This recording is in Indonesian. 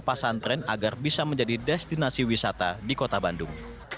dan perhatikan gang pasantren agar bisa menjadi destinasi wisata di kota bandung